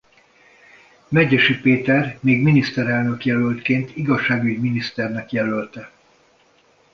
Medgyessy Péter még miniszterelnök-jelöltként igazságügy-miniszternek jelölte.